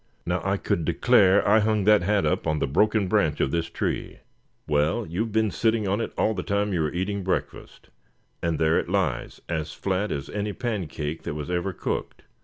Now I could declare I hung that hat up on the broken branch of this tree." "Well, you've been sitting on it all the time you were eating breakfast; and there it lies, as flat as any pancake that was ever cooked.